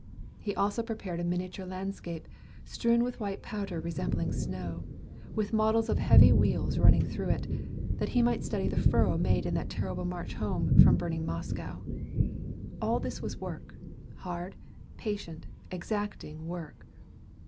He also prepared a miniature landscape, strewn with white powder resembling snow, with models of heavy wheels running through it, that he might study the furrow made in that terrible march home from burning Moscow. All this was work, hard, patient, exacting work.